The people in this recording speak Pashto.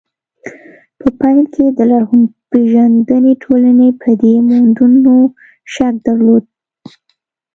په پيل کې د لرغونپېژندنې ټولنې په دې موندنو شک درلود.